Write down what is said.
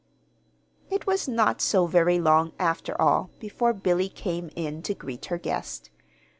It was not so very long, after all, before Billy came in to greet her guest.